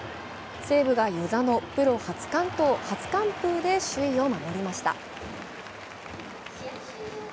西武が與座のプロ初完投・初完封で首位を守りました。